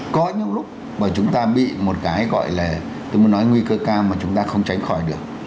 có những lúc mà chúng ta bị một cái gọi là tôi muốn nói nguy cơ cao mà chúng ta không tránh khỏi được